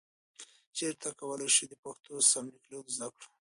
چیرته کولای شو د پښتو سم لیکدود زده کړو؟